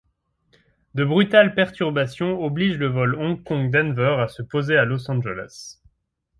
De brutales perturbations obligent le vol Hong Kong-Denver à se poser à Los Angeles.